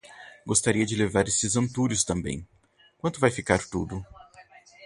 Gostaria de levar estes antúrios também. Quanto vai ficar tudo?